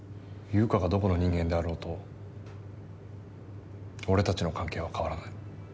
優香がどこの人間であろうと俺たちの関係は変わらない。